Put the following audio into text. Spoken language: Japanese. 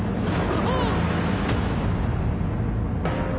あっ！